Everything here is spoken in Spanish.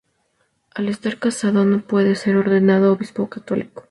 Al estar casado, no puede ser ordenado obispo católico.